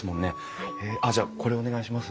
あっじゃあこれお願いします。